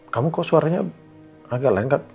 kamu kok suaranya agak lain kak